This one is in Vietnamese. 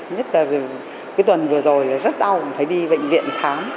nhất là cái tuần vừa rồi là rất đau cũng phải đi bệnh viện khám